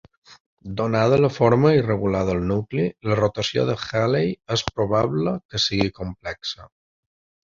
Donada la forma irregular del nucli, la rotació de Halley és probable que sigui complexa.